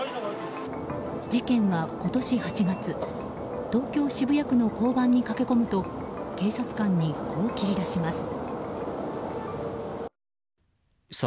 事件は今年８月東京・渋谷区の交番に駆け込むと警察官にこう切り出します。